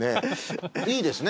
いいですね。